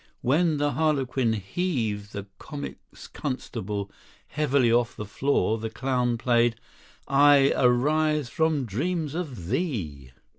When the harlequin heaved the comic constable heavily off the floor the clown played "I arise from dreams of thee."